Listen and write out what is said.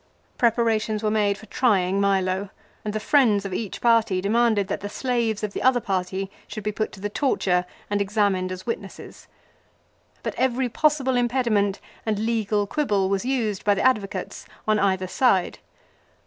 Preparations were made for trying Milo, and the friends of each party demanded that the slaves of the other party should be put to the torture and examined as witnesses. But every possible impediment and legal quibble was used by the advocates on either side.